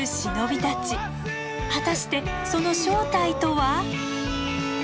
果たしてその正体とは？